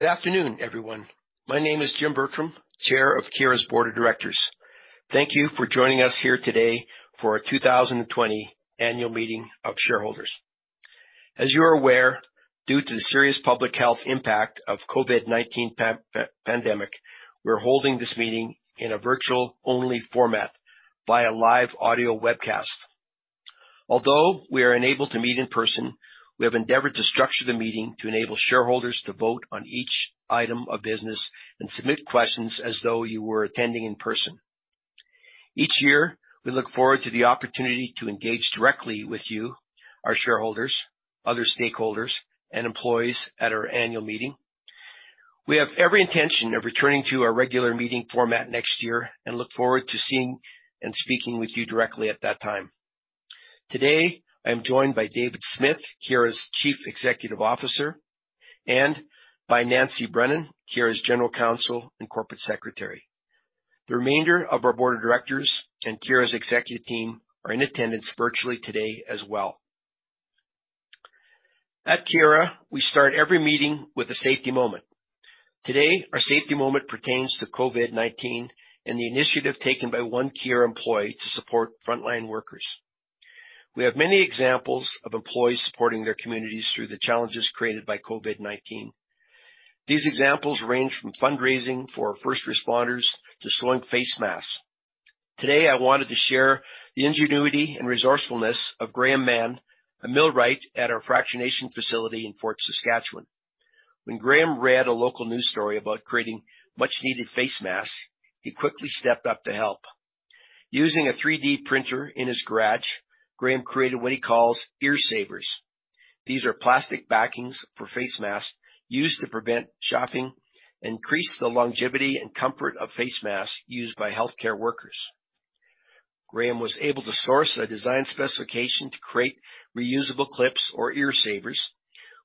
Good afternoon, everyone. My name is Jim Bertram, chair of Keyera's Board of Directors. Thank you for joining us here today for our 2020 annual meeting of shareholders. As you are aware, due to the serious public health impact of COVID-19 pandemic, we're holding this meeting in a virtual-only format via live audio webcast. Although we are unable to meet in person, we have endeavored to structure the meeting to enable shareholders to vote on each item of business and submit questions as though you were attending in person. Each year, we look forward to the opportunity to engage directly with you, our shareholders, other stakeholders, and employees at our annual meeting. We have every intention of returning to our regular meeting format next year and look forward to seeing and speaking with you directly at that time. Today, I am joined by David Smith, Keyera's Chief Executive Officer, and by Nancy Brennan, Keyera's General Counsel and Corporate Secretary. The remainder of our board of directors and Keyera's executive team are in attendance virtually today as well. At Keyera, we start every meeting with a safety moment. Today, our safety moment pertains to COVID-19 and the initiative taken by one Keyera employee to support frontline workers. We have many examples of employees supporting their communities through the challenges created by COVID-19. These examples range from fundraising for first responders to sewing face masks. Today, I wanted to share the ingenuity and resourcefulness of Graham Mann, a millwright at our fractionation facility in Fort Saskatchewan. When Graham read a local news story about creating much-needed face masks, he quickly stepped up to help. Using a 3D printer in his garage, Graham created what he calls ear savers. These are plastic backings for face masks used to prevent chafing and increase the longevity and comfort of face masks used by healthcare workers. Graham was able to source a design specification to create reusable clips or ear savers,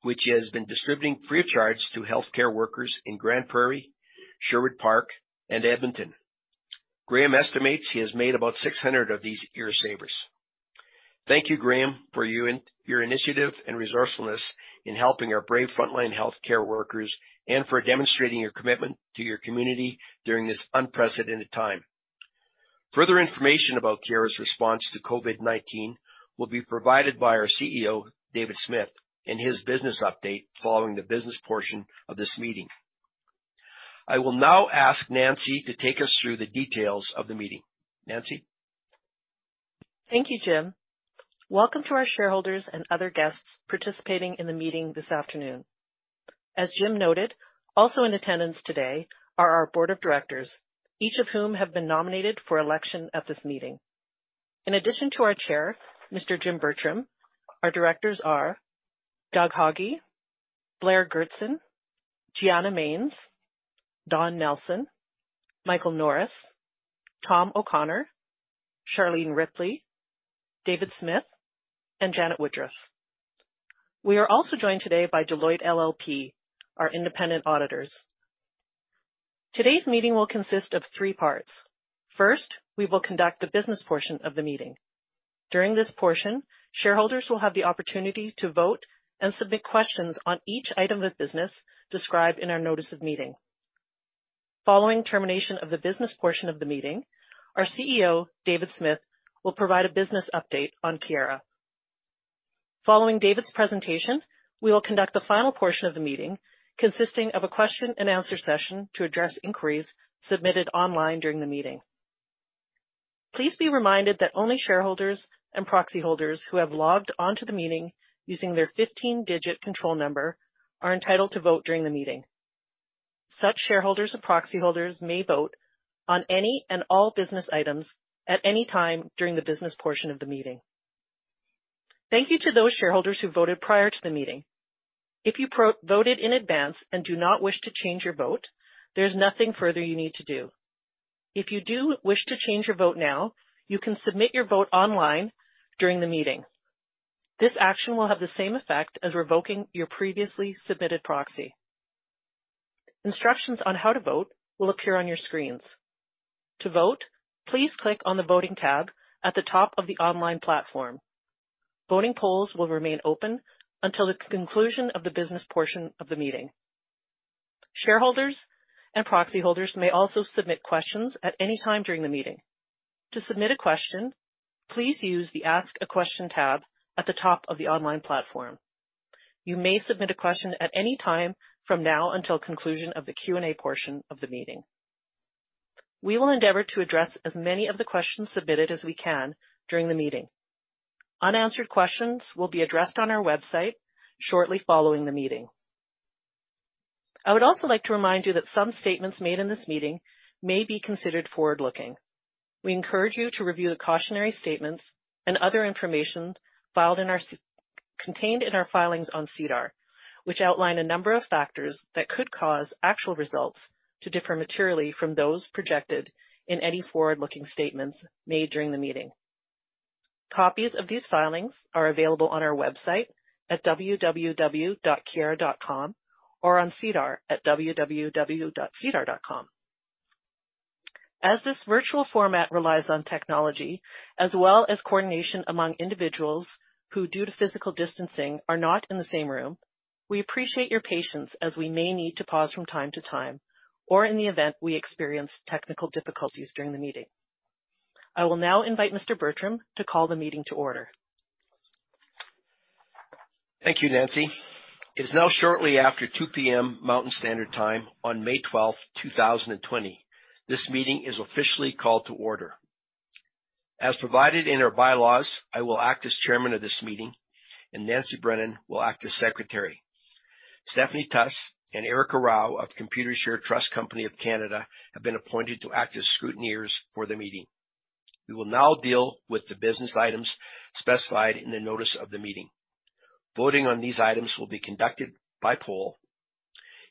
which he has been distributing free of charge to healthcare workers in Grande Prairie, Sherwood Park, and Edmonton. Graham estimates he has made about 600 of these ear savers. Thank you, Graham, for your initiative and resourcefulness in helping our brave frontline healthcare workers and for demonstrating your commitment to your community during this unprecedented time. Further information about Keyera's response to COVID-19 will be provided by our CEO, David Smith, in his business update following the business portion of this meeting. I will now ask Nancy to take us through the details of the meeting. Nancy? Thank you, Jim. Welcome to our shareholders and other guests participating in the meeting this afternoon. As Jim noted, also in attendance today are our board of directors, each of whom have been nominated for election at this meeting. In addition to our Chair, Mr. Jim Bertram, our directors are Doug Haughey, Blair Goertzen, Gianna Manes, Donald Nelson, Michael Norris, Tom O'Connor, Charlene Ripley, David Smith, and Janet Woodruff. We are also joined today by Deloitte LLP, our independent auditors. Today's meeting will consist of three parts. First, we will conduct the business portion of the meeting. During this portion, shareholders will have the opportunity to vote and submit questions on each item of business described in our notice of meeting. Following termination of the business portion of the meeting, our CEO, David Smith, will provide a business update on Keyera. Following David's presentation, we will conduct the final portion of the meeting, consisting of a question and answer session to address inquiries submitted online during the meeting. Please be reminded that only shareholders and proxy holders who have logged on to the meeting using their 15-digit control number are entitled to vote during the meeting. Such shareholders and proxy holders may vote on any and all business items at any time during the business portion of the meeting. Thank you to those shareholders who voted prior to the meeting. If you voted in advance and do not wish to change your vote, there's nothing further you need to do. If you do wish to change your vote now, you can submit your vote online during the meeting. This action will have the same effect as revoking your previously submitted proxy. Instructions on how to vote will appear on your screens. To vote, please click on the voting tab at the top of the online platform. Voting polls will remain open until the conclusion of the business portion of the meeting. Shareholders and proxy holders may also submit questions at any time during the meeting. To submit a question, please use the Ask a Question tab at the top of the online platform. You may submit a question at any time from now until conclusion of the Q&A portion of the meeting. We will endeavor to address as many of the questions submitted as we can during the meeting. Unanswered questions will be addressed on our website shortly following the meeting. I would also like to remind you that some statements made in this meeting may be considered forward-looking. We encourage you to review the cautionary statements and other information contained in our filings on SEDAR, which outline a number of factors that could cause actual results to differ materially from those projected in any forward-looking statements made during the meeting. Copies of these filings are available on our website at www.keyera.com or on SEDAR at www.sedar.com. As this virtual format relies on technology as well as coordination among individuals who, due to physical distancing, are not in the same room, we appreciate your patience as we may need to pause from time to time, or in the event we experience technical difficulties during the meeting. I will now invite Mr. Bertram to call the meeting to order. Thank you, Nancy. It is now shortly after 2:00 P.M. Mountain Standard Time on May 12th, 2020. This meeting is officially called to order. As provided in our bylaws, I will act as chairman of this meeting, and Nancy Brennan will act as secretary. Stephanie Tuss and Erica Rao of Computershare Trust Company of Canada have been appointed to act as scrutineers for the meeting. We will now deal with the business items specified in the notice of the meeting. Voting on these items will be conducted by poll.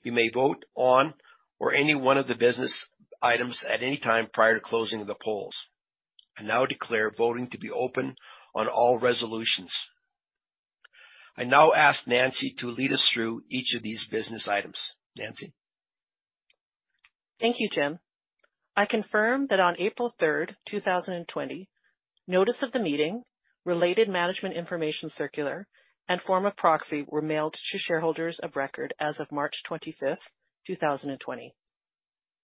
You may vote on or any one of the business items at any time prior to closing of the polls. I now declare voting to be open on all resolutions. I now ask Nancy to lead us through each of these business items. Nancy. Thank you, Jim. I confirm that on April 3rd, 2020, notice of the meeting, related management information circular, and form of proxy were mailed to shareholders of record as of March 25th, 2020.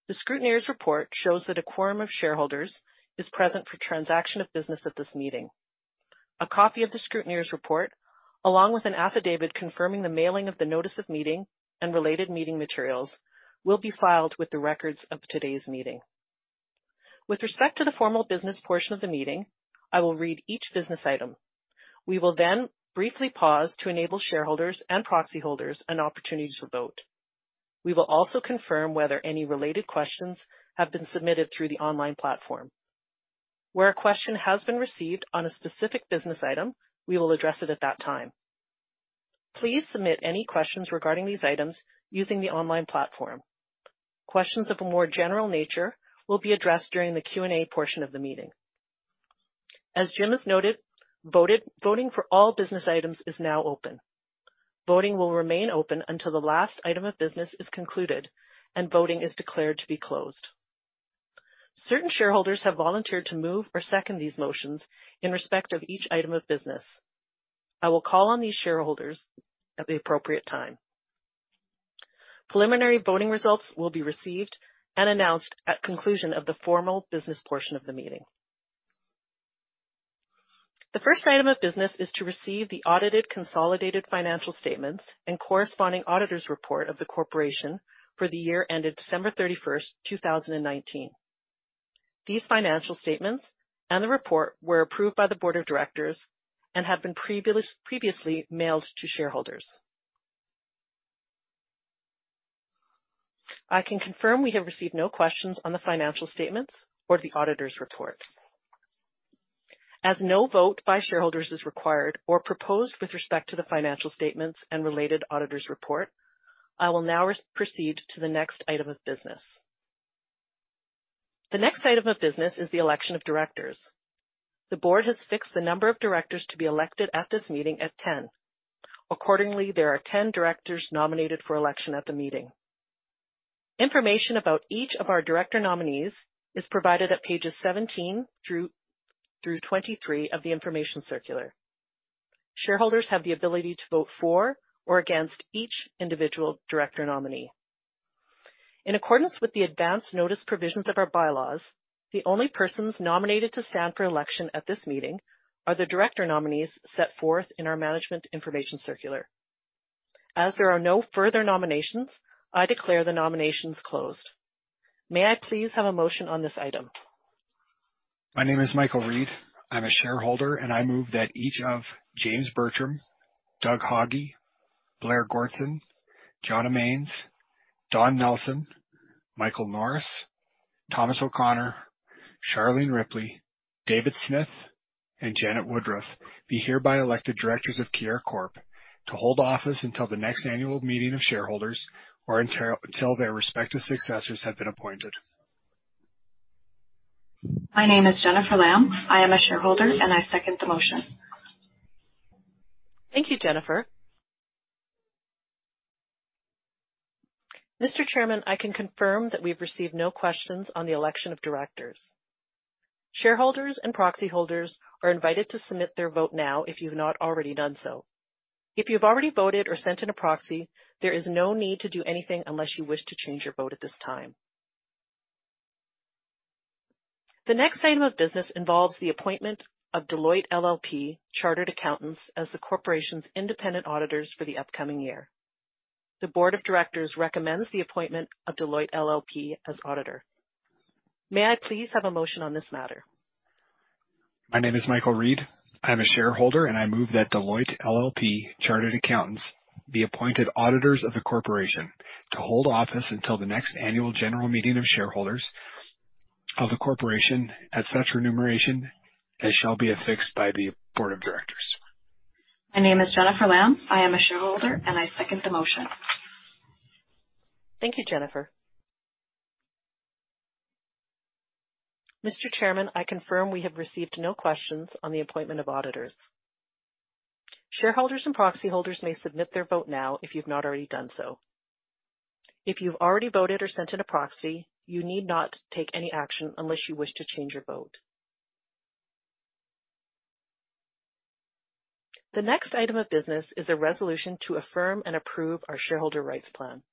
The scrutineers report shows that a quorum of shareholders is present for transaction of business at this meeting. A copy of the scrutineers report, along with an affidavit confirming the mailing of the notice of meeting and related meeting materials will be filed with the records of today's meeting. With respect to the formal business portion of the meeting, I will read each business item. We will then briefly pause to enable shareholders and proxy holders an opportunity to vote. We will also confirm whether any related questions have been submitted through the online platform. Where a question has been received on a specific business item, we will address it at that time. Please submit any questions regarding these items using the online platform. Questions of a more general nature will be addressed during the Q&A portion of the meeting. As Jim has noted, voting for all business items is now open. Voting will remain open until the last item of business is concluded and voting is declared to be closed. Certain shareholders have volunteered to move or second these motions in respect of each item of business. I will call on these shareholders at the appropriate time. Preliminary voting results will be received and announced at conclusion of the formal business portion of the meeting. The first item of business is to receive the audited consolidated financial statements and corresponding auditor's report of the corporation for the year ended December 31st, 2019. These financial statements and the report were approved by the board of directors and have been previously mailed to shareholders. I can confirm we have received no questions on the financial statements or the auditor's report. As no vote by shareholders is required or proposed with respect to the financial statements and related auditor's report, I will now proceed to the next item of business. The next item of business is the election of directors. The board has fixed the number of directors to be elected at this meeting at 10. Accordingly, there are 10 directors nominated for election at the meeting. Information about each of our director nominees is provided at pages 17 through 23 of the information circular. Shareholders have the ability to vote for or against each individual director nominee. In accordance with the advance notice provisions of our bylaws, the only persons nominated to stand for election at this meeting are the director nominees set forth in our management information circular. As there are no further nominations, I declare the nominations closed. May I please have a motion on this item? My name is Michael Reid. I'm a shareholder, and I move that each of Jim Bertram, Douglas Haughey, Blair Goertzen, John Mains, Donald Nelson, Michael Norris, Thomas O'Connor, Charlene Ripley, David Smith, and Janet Woodruff be hereby elected directors of Keyera Corp., to hold office until the next annual meeting of shareholders or until their respective successors have been appointed. My name is Jennifer Lam. I am a shareholder, and I second the motion. Thank you, Jennifer. Mr. Chairman, I can confirm that we've received no questions on the election of directors. Shareholders and proxy holders are invited to submit their vote now, if you've not already done so. If you've already voted or sent in a proxy, there is no need to do anything unless you wish to change your vote at this time. The next item of business involves the appointment of Deloitte LLP Chartered Accountants as the corporation's independent auditors for the upcoming year. The board of directors recommends the appointment of Deloitte LLP as auditor. May I please have a motion on this matter? My name is Michael Reid. I'm a shareholder, and I move that Deloitte LLP Chartered Accountants be appointed auditors of the corporation to hold office until the next annual general meeting of shareholders of the corporation at such remuneration as shall be affixed by the board of directors. My name is Jennifer Lam. I am a shareholder, and I second the motion. Thank you, Jennifer. Mr. Chairman, I confirm we have received no questions on the appointment of auditors. Shareholders and proxy holders may submit their vote now if you've not already done so. If you've already voted or sent in a proxy, you need not take any action unless you wish to change your vote. The next item of business is a resolution to affirm and approve our shareholder rights plan.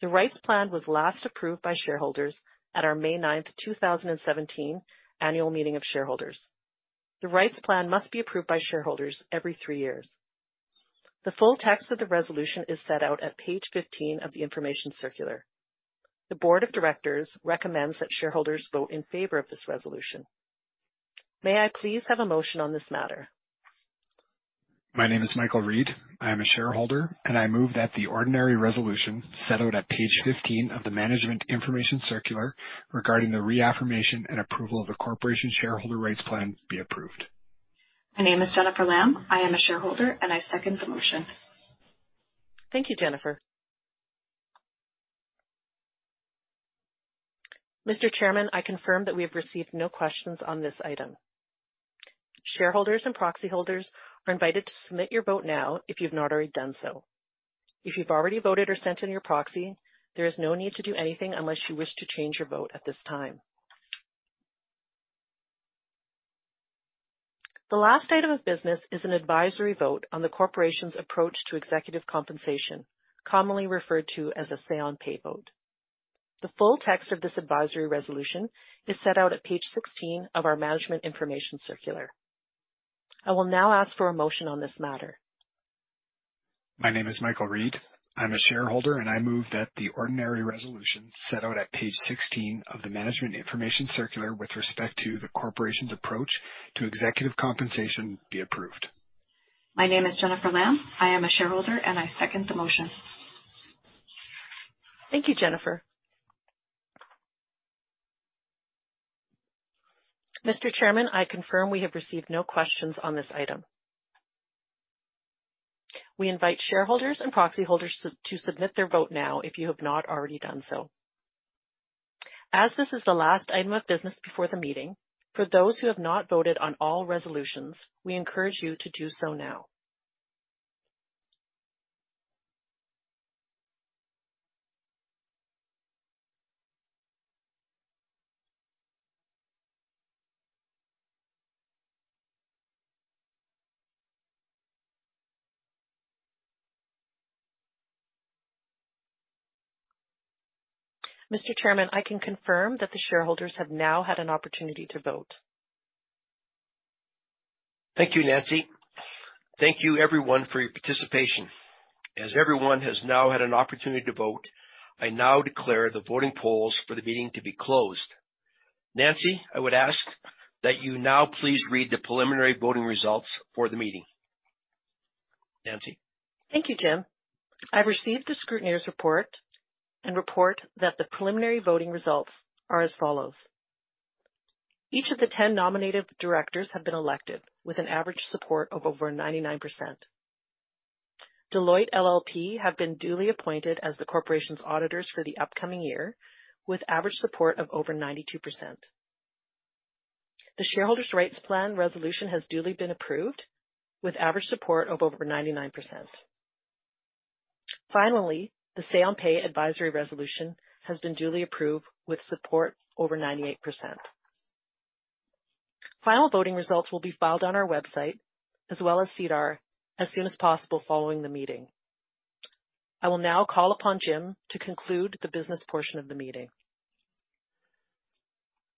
The rights plan was last approved by shareholders at our May ninth, 2017 annual meeting of shareholders. The rights plan must be approved by shareholders every three years. The full text of the resolution is set out at page 15 of the information circular. The board of directors recommends that shareholders vote in favor of this resolution. May I please have a motion on this matter? My name is Michael Reid. I move that the ordinary resolution set out at page 15 of the management information circular regarding the reaffirmation and approval of a corporation shareholder rights plan be approved. My name is Jennifer Lam. I am a shareholder, and I second the motion. Thank you, Jennifer. Mr. Chairman, I confirm that we have received no questions on this item. Shareholders and proxy holders are invited to submit your vote now if you've not already done so. If you've already voted or sent in your proxy, there is no need to do anything unless you wish to change your vote at this time. The last item of business is an advisory vote on the corporation's approach to executive compensation, commonly referred to as a say on pay vote. The full text of this advisory resolution is set out at page 16 of our management information circular. I will now ask for a motion on this matter. My name is Michael Reid. I'm a shareholder, and I move that the ordinary resolution set out at page 16 of the management information circular with respect to the corporation's approach to executive compensation be approved. My name is Jennifer Lam. I am a shareholder, and I second the motion. Thank you, Jennifer. Mr. Chairman, I confirm we have received no questions on this item. We invite shareholders and proxy holders to submit their vote now if you have not already done so. As this is the last item of business before the meeting, for those who have not voted on all resolutions, we encourage you to do so now. Mr. Chairman, I can confirm that the shareholders have now had an opportunity to vote. Thank you, Nancy. Thank you everyone for your participation. As everyone has now had an opportunity to vote, I now declare the voting polls for the meeting to be closed. Nancy, I would ask that you now please read the preliminary voting results for the meeting. Nancy. Thank you, Jim. I've received the scrutineer's report and report that the preliminary voting results are as follows. Each of the 10 nominated directors have been elected with an average support of over 99%. Deloitte LLP have been duly appointed as the corporation's auditors for the upcoming year with average support of over 92%. The shareholders' rights plan resolution has duly been approved with average support of over 99%. Finally, the say on pay advisory resolution has been duly approved with support over 98%. Final voting results will be filed on our website as well as SEDAR as soon as possible following the meeting. I will now call upon Jim to conclude the business portion of the meeting.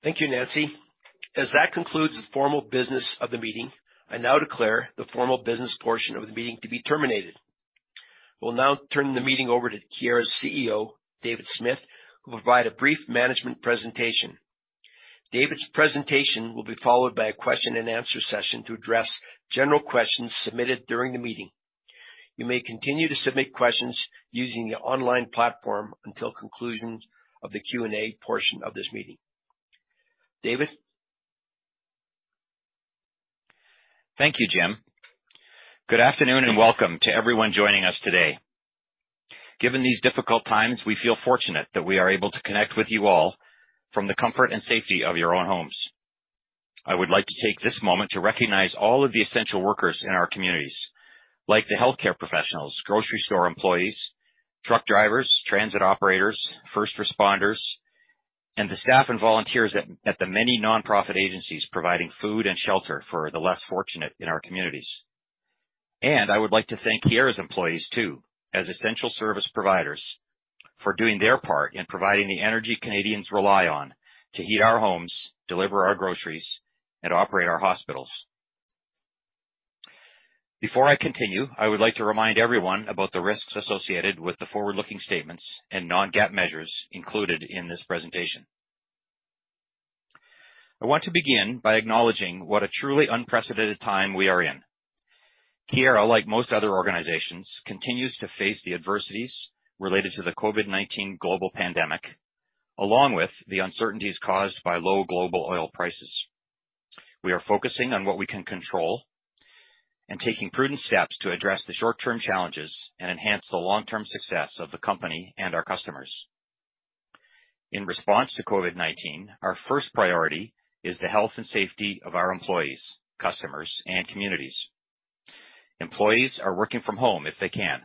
Thank you, Nancy. As that concludes the formal business of the meeting, I now declare the formal business portion of the meeting to be terminated. We'll now turn the meeting over to Keyera's CEO, David Smith, who will provide a brief management presentation. David's presentation will be followed by a question and answer session to address general questions submitted during the meeting. You may continue to submit questions using the online platform until conclusion of the Q&A portion of this meeting. David. Thank you, Jim. Good afternoon and welcome to everyone joining us today. Given these difficult times, we feel fortunate that we are able to connect with you all from the comfort and safety of your own homes. I would like to take this moment to recognize all of the essential workers in our communities, like the healthcare professionals, grocery store employees, truck drivers, transit operators, first responders, and the staff and volunteers at the many nonprofit agencies providing food and shelter for the less fortunate in our communities. I would like to thank Keyera's employees, too, as essential service providers for doing their part in providing the energy Canadians rely on to heat our homes, deliver our groceries, and operate our hospitals. Before I continue, I would like to remind everyone about the risks associated with the forward-looking statements and non-GAAP measures included in this presentation. I want to begin by acknowledging what a truly unprecedented time we are in. Keyera, like most other organizations, continues to face the adversities related to the COVID-19 global pandemic, along with the uncertainties caused by low global oil prices. We are focusing on what we can control and taking prudent steps to address the short-term challenges and enhance the long-term success of the company and our customers. In response to COVID-19, our first priority is the health and safety of our employees, customers, and communities. Employees are working from home if they can.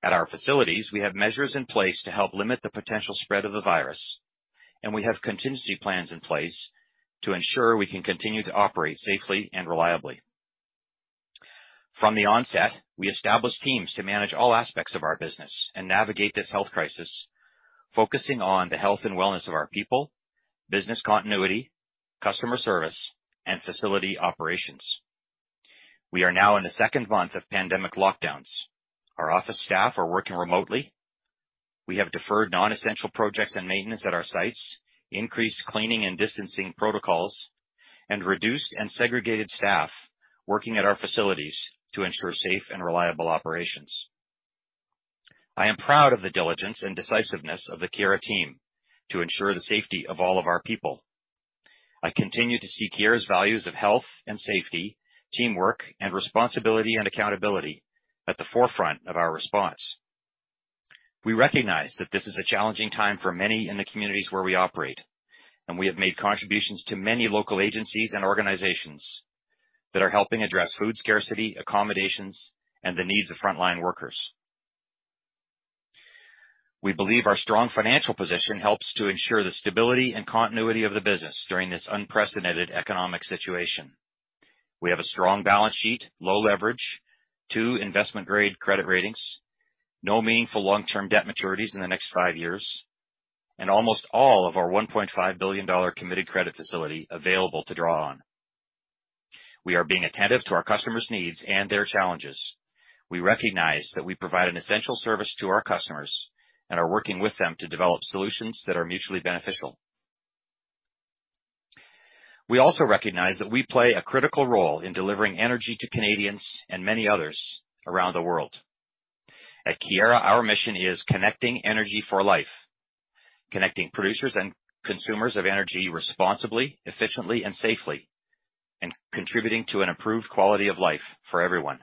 At our facilities, we have measures in place to help limit the potential spread of the virus, and we have contingency plans in place to ensure we can continue to operate safely and reliably. From the onset, we established teams to manage all aspects of our business and navigate this health crisis, focusing on the health and wellness of our people, business continuity, customer service, and facility operations. We are now in the second month of pandemic lockdowns. Our office staff are working remotely. We have deferred non-essential projects and maintenance at our sites, increased cleaning and distancing protocols, and reduced and segregated staff working at our facilities to ensure safe and reliable operations. I am proud of the diligence and decisiveness of the Keyera team to ensure the safety of all of our people. I continue to see Keyera's values of health and safety, teamwork, and responsibility and accountability at the forefront of our response. We recognize that this is a challenging time for many in the communities where we operate, and we have made contributions to many local agencies and organizations that are helping address food scarcity, accommodations, and the needs of frontline workers. We believe our strong financial position helps to ensure the stability and continuity of the business during this unprecedented economic situation. We have a strong balance sheet, low leverage, two investment-grade credit ratings, no meaningful long-term debt maturities in the next five years, and almost all of our 1.5 billion dollar committed credit facility available to draw on. We are being attentive to our customers' needs and their challenges. We recognize that we provide an essential service to our customers and are working with them to develop solutions that are mutually beneficial. We also recognize that we play a critical role in delivering energy to Canadians and many others around the world. At Keyera, our mission is connecting energy for life, connecting producers and consumers of energy responsibly, efficiently, and safely, and contributing to an improved quality of life for everyone.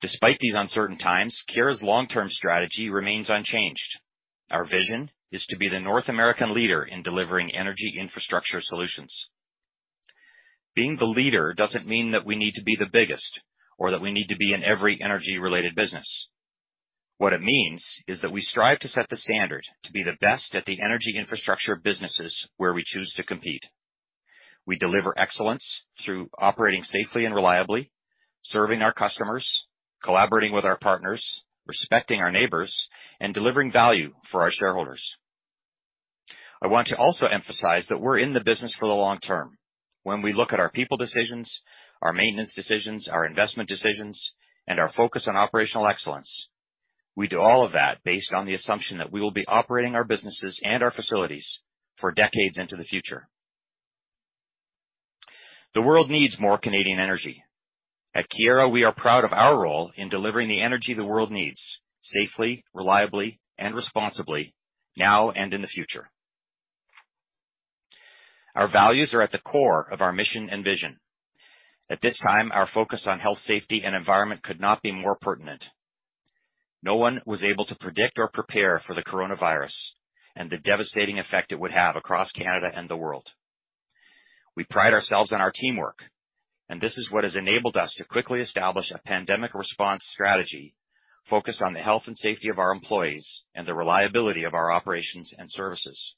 Despite these uncertain times, Keyera's long-term strategy remains unchanged. Our vision is to be the North American leader in delivering energy infrastructure solutions. Being the leader doesn't mean that we need to be the biggest or that we need to be in every energy-related business. What it means is that we strive to set the standard to be the best at the energy infrastructure businesses where we choose to compete. We deliver excellence through operating safely and reliably, serving our customers, collaborating with our partners, respecting our neighbors, and delivering value for our shareholders. I want to also emphasize that we're in the business for the long term. When we look at our people decisions, our maintenance decisions, our investment decisions, and our focus on operational excellence, we do all of that based on the assumption that we will be operating our businesses and our facilities for decades into the future. The world needs more Canadian energy. At Keyera, we are proud of our role in delivering the energy the world needs safely, reliably, and responsibly, now and in the future. Our values are at the core of our mission and vision. At this time, our focus on health, safety, and environment could not be more pertinent. No one was able to predict or prepare for the coronavirus and the devastating effect it would have across Canada and the world. We pride ourselves on our teamwork, and this is what has enabled us to quickly establish a pandemic response strategy focused on the health and safety of our employees and the reliability of our operations and services.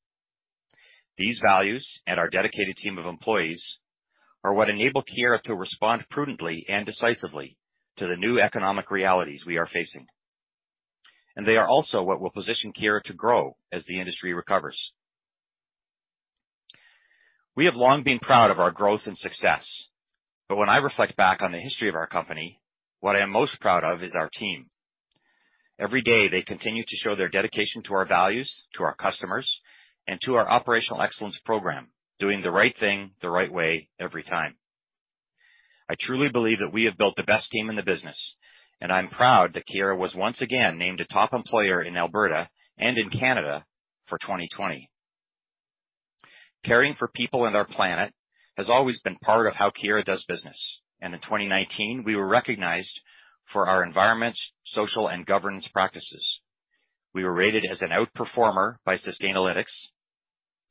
These values, and our dedicated team of employees, are what enable Keyera to respond prudently and decisively to the new economic realities we are facing. They are also what will position Keyera to grow as the industry recovers. We have long been proud of our growth and success. When I reflect back on the history of our company, what I am most proud of is our team. Every day, they continue to show their dedication to our values, to our customers, and to our operational excellence program, doing the right thing the right way every time. I truly believe that we have built the best team in the business, and I'm proud that Keyera was once again named a top employer in Alberta and in Canada for 2020. Caring for people and our planet has always been part of how Keyera does business, in 2019, we were recognized for our environment, social, and governance practices. We were rated as an outperformer by Sustainalytics,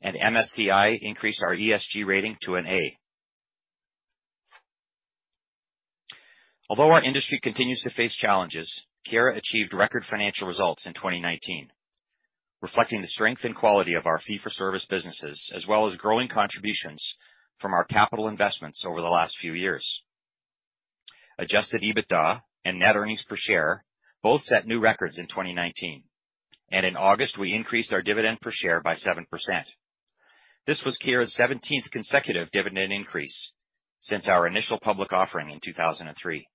MSCI increased our ESG rating to an A. Although our industry continues to face challenges, Keyera achieved record financial results in 2019, reflecting the strength and quality of our fee-for-service businesses as well as growing contributions from our capital investments over the last few years. Adjusted EBITDA and net earnings per share both set new records in 2019. In August, we increased our dividend per share by 7%. This was Keyera's 17th consecutive dividend increase since our initial public offering in 2003.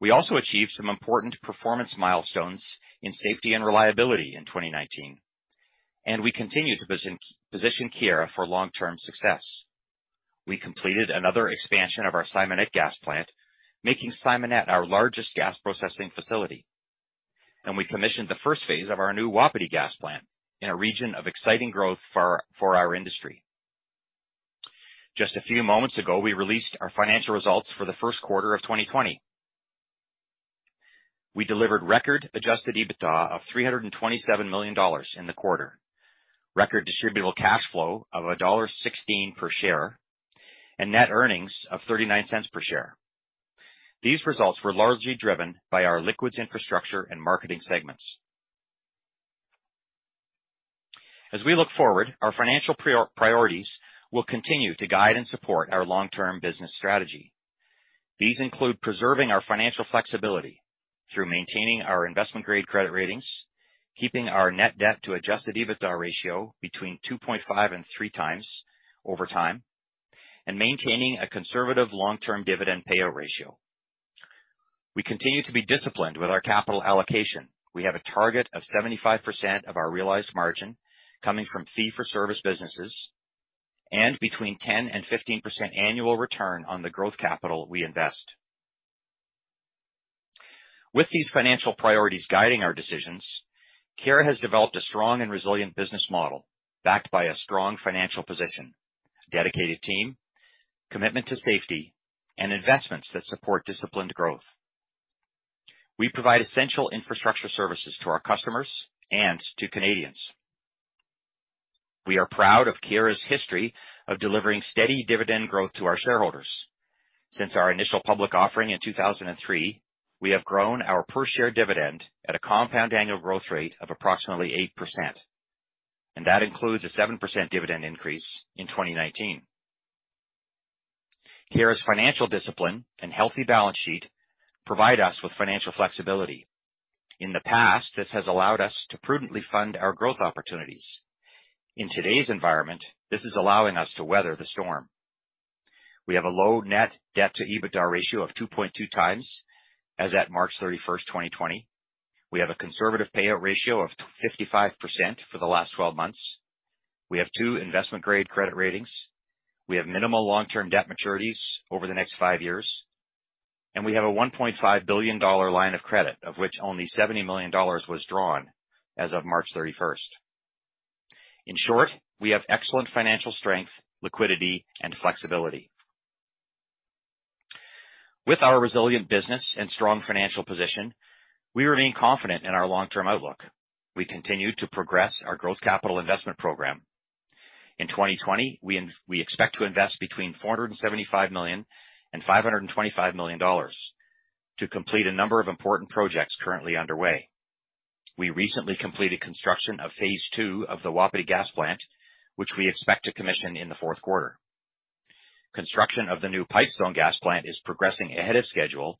We also achieved some important performance milestones in safety and reliability in 2019. We continue to position Keyera for long-term success. We completed another expansion of our Simonette gas plant, making Simonette our largest gas processing facility. We commissioned the first phase of our new Wapiti gas plant in a region of exciting growth for our industry. Just a few moments ago, we released our financial results for the first quarter of 2020. We delivered record-adjusted EBITDA of 327 million dollars in the quarter, record distributable cash flow of dollar 1.16 per share, and net earnings of 0.39 per share. These results were largely driven by our liquids infrastructure and marketing segments. As we look forward, our financial priorities will continue to guide and support our long-term business strategy. These include preserving our financial flexibility through maintaining our investment-grade credit ratings, keeping our net debt to adjusted EBITDA ratio between 2.5 and three times over time, and maintaining a conservative long-term dividend payout ratio. We continue to be disciplined with our capital allocation. We have a target of 75% of our realized margin coming from fee-for-service businesses and between 10% and 15% annual return on the growth capital we invest. With these financial priorities guiding our decisions, Keyera has developed a strong and resilient business model backed by a strong financial position, dedicated team, commitment to safety, and investments that support disciplined growth. We provide essential infrastructure services to our customers and to Canadians. We are proud of Keyera's history of delivering steady dividend growth to our shareholders. Since our initial public offering in 2003, we have grown our per-share dividend at a compound annual growth rate of approximately 8%, and that includes a 7% dividend increase in 2019. Keyera's financial discipline and healthy balance sheet provide us with financial flexibility. In the past, this has allowed us to prudently fund our growth opportunities. In today's environment, this is allowing us to weather the storm. We have a low net debt to EBITDA ratio of 2.2 times as at March 31st, 2020. We have a conservative payout ratio of 55% for the last 12 months. We have two investment-grade credit ratings. We have minimal long-term debt maturities over the next five years, and we have a 1.5 billion dollar line of credit, of which only 70 million dollars was drawn as of March 31st. In short, we have excellent financial strength, liquidity, and flexibility. With our resilient business and strong financial position, we remain confident in our long-term outlook. We continue to progress our growth capital investment program. In 2020, we expect to invest between 475 million and 525 million dollars to complete a number of important projects currently underway. We recently completed construction of phase II of the Wapiti gas plant, which we expect to commission in the fourth quarter. Construction of the new Pipestone gas plant is progressing ahead of schedule,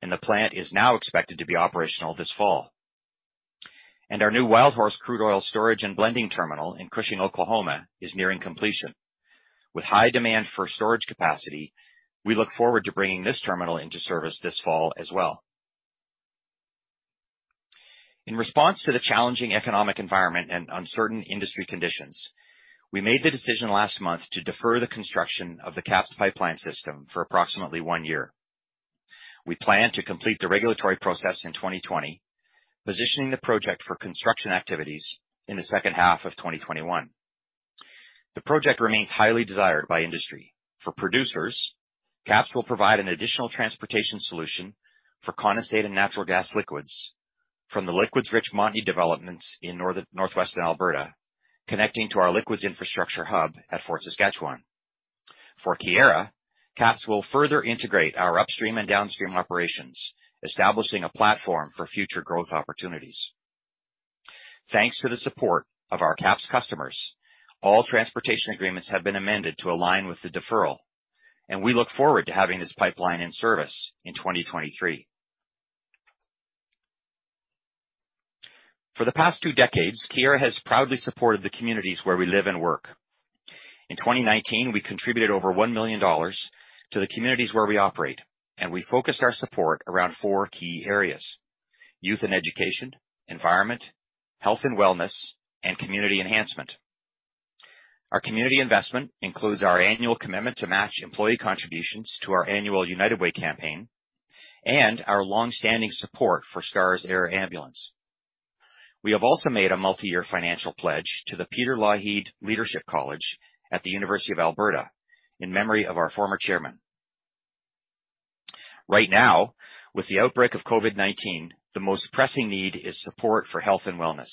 the plant is now expected to be operational this fall. Our new Wildhorse crude oil storage and blending terminal in Cushing, Oklahoma, is nearing completion. With high demand for storage capacity, we look forward to bringing this terminal into service this fall as well. In response to the challenging economic environment and uncertain industry conditions, we made the decision last month to defer the construction of the KAPS Pipeline system for approximately one year. We plan to complete the regulatory process in 2020, positioning the project for construction activities in the second half of 2021. The project remains highly desired by industry. For producers, KAPS will provide an additional transportation solution for condensate and natural gas liquids from the liquids-rich Montney developments in northwestern Alberta, connecting to our liquids infrastructure hub at Fort Saskatchewan. For Keyera, KAPS will further integrate our upstream and downstream operations, establishing a platform for future growth opportunities. Thanks to the support of our KAPS customers, all transportation agreements have been amended to align with the deferral, and we look forward to having this pipeline in service in 2023. For the past two decades, Keyera has proudly supported the communities where we live and work. In 2019, we contributed over 1 million dollars to the communities where we operate. We focused our support around four key areas: youth and education, environment, health and wellness, and community enhancement. Our community investment includes our annual commitment to match employee contributions to our annual United Way campaign and our long-standing support for STARS Air Ambulance. We have also made a multi-year financial pledge to the Peter Lougheed Leadership College at the University of Alberta in memory of our former chairman. Right now, with the outbreak of COVID-19, the most pressing need is support for health and wellness.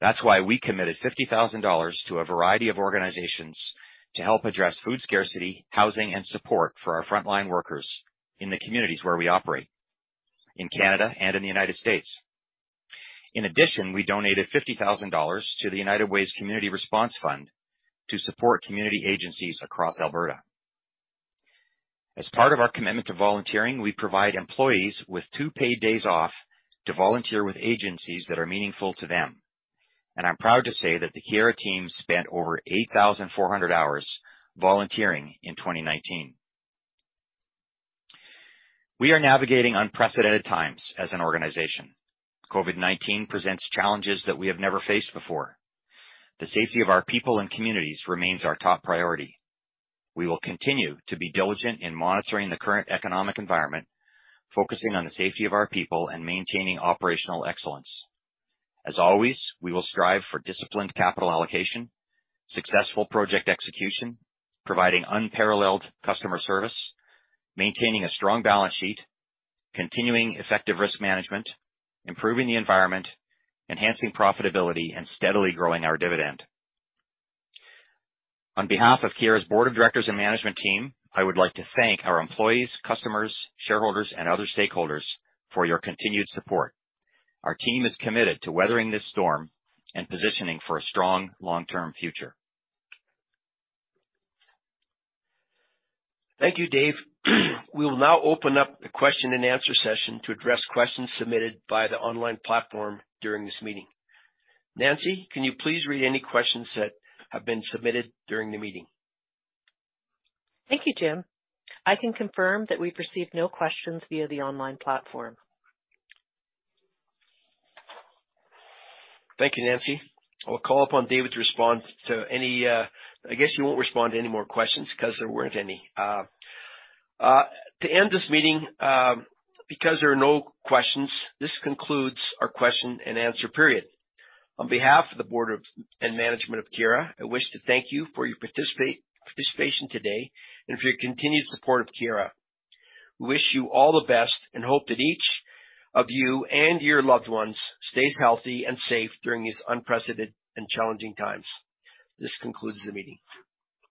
That's why we committed 50,000 dollars to a variety of organizations to help address food scarcity, housing, and support for our frontline workers in the communities where we operate, in Canada and in the United States. We donated 50,000 dollars to the United Way's Community Response Fund to support community agencies across Alberta. As part of our commitment to volunteering, we provide employees with two paid days off to volunteer with agencies that are meaningful to them. I'm proud to say that the Keyera team spent over 8,400 hours volunteering in 2019. We are navigating unprecedented times as an organization. COVID-19 presents challenges that we have never faced before. The safety of our people and communities remains our top priority. We will continue to be diligent in monitoring the current economic environment, focusing on the safety of our people, and maintaining operational excellence. As always, we will strive for disciplined capital allocation, successful project execution, providing unparalleled customer service, maintaining a strong balance sheet, continuing effective risk management, improving the environment, enhancing profitability, and steadily growing our dividend. On behalf of Keyera's board of directors and management team, I would like to thank our employees, customers, shareholders, and other stakeholders for your continued support. Our team is committed to weathering this storm and positioning for a strong long-term future. Thank you, Dave. We will now open up the question and answer session to address questions submitted by the online platform during this meeting. Nancy, can you please read any questions that have been submitted during the meeting? Thank you, Jim. I can confirm that we've received no questions via the online platform. Thank you, Nancy. I will call upon David to respond to any I guess you won't respond to any more questions because there weren't any. To end this meeting, because there are no questions, this concludes our question and answer period. On behalf of the board and management of Keyera, I wish to thank you for your participation today and for your continued support of Keyera. We wish you all the best and hope that each of you and your loved ones stays healthy and safe during these unprecedented and challenging times. This concludes the meeting.